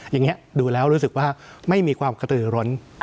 อย่างนี้ดูแล้วรู้สึกว่าไม่มีความกระตือร้น